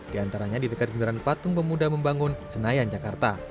di antaranya di dekat kendaraan patung pemuda membangun senayan jakarta